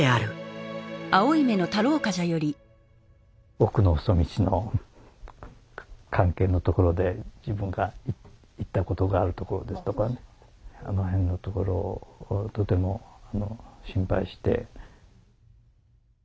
「おくのほそ道」の関係のところで自分が行ったことがあるところですとかあの辺のところをとても心配して。